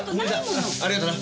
ありがとな。